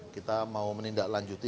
kita mau menindaklanjuti